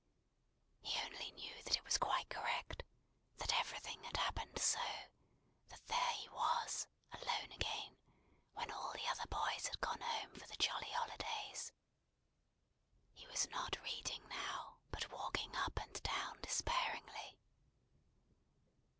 He only knew that it was quite correct; that everything had happened so; that there he was, alone again, when all the other boys had gone home for the jolly holidays. He was not reading now, but walking up and down despairingly.